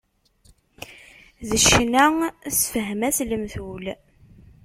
D ccna, sefhem-as lemtul.